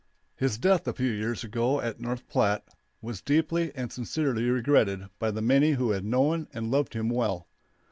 His death a few years ago at North Platte was deeply and sincerely regretted by the many who had known and loved him well.